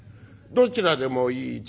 どちらでもいい。